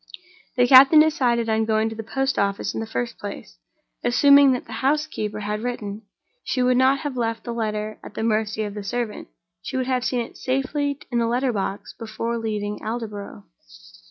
The captain decided on going to the post office, in the first place. Assuming that the housekeeper had written, she would not have left the letter at the mercy of the servant—she would have seen it safely in the letter box before leaving Aldborough.